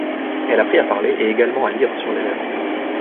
Elle a appris à parler et également à lire sur les lèvres.